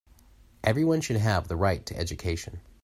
Everyone should have the right to education.